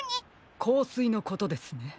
こうすいのことですね。